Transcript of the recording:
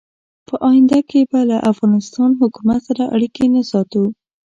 په آینده کې به له افغانستان حکومت سره اړیکې نه ساتو.